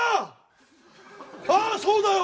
ああそうだよ！